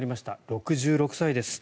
６６歳です。